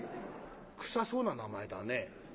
「臭そうな名前だね」。